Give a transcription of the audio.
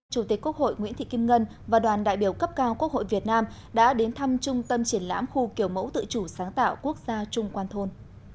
chủ tịch quốc hội nguyễn thị kim ngân và đoàn đại biểu cấp cao quốc hội việt nam đã đến thăm trung tâm triển lãm khu kiểu mẫu tự chủ sáng tạo quốc gia trung quan thôn